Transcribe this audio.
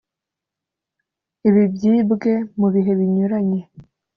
Ibi byibwe mu bihe binyuranye